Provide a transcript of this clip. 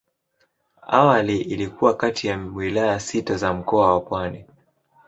Awali ilikuwa kati ya wilaya sita za Mkoa wa Pwani.